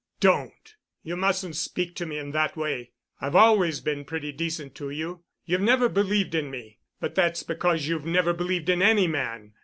"Don't! You mustn't speak to me in that way. I've always been pretty decent to you. You've never believed in me, but that's because you've never believed in any man.